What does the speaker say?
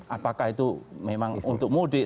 apakah itu memang untuk mudik